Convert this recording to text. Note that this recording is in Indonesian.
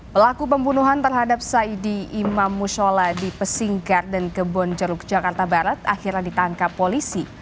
pelaku pembunuhan terhadap saidi imam musyola di pesing garden kebonjeruk jakarta barat akhirnya ditangkap polisi